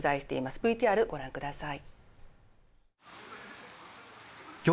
ＶＴＲご覧ください。